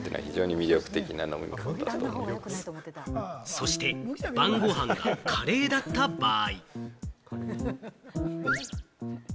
そして晩御飯がカレーだった場合。